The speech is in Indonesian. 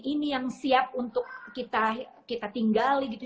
ada bumi ini yang siap untuk kita tinggali gitu